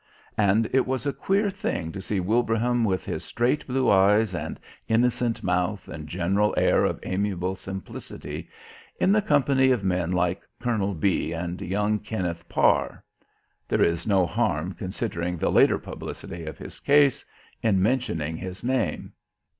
And it was a queer thing to see Wilbraham with his straight blue eyes and innocent mouth and general air of amiable simplicity in the company of men like Colonel B and young Kenneth Parr. (There is no harm, considering the later publicity of his case, in mentioning his name.)